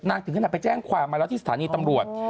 ถึงขนาดไปแจ้งความมาแล้วที่สถานีตำรวจ